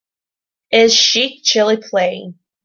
Is Sheikh Chilli playing